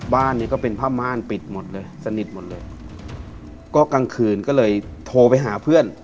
บ้านเนี่ยก็เป็นผ้าม่านปิดหมดเลยสนิทหมดเลยก็กลางคืนก็เลยโทรไปหาเพื่อน